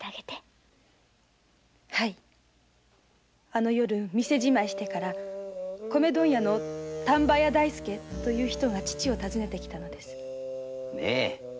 あの夜店じまいしてから米問屋の丹波屋大助という人が父を訪ねて来たのです。